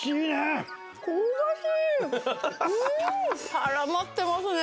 絡まってますね。